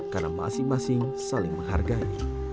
karena masing masing saling menghargai